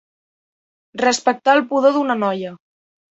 Respectar el pudor d'una noia.